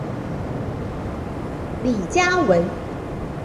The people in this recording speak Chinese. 李嘉文。